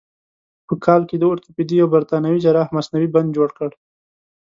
په کال کې د اورتوپیدي یو برتانوي جراح مصنوعي بند جوړ کړ.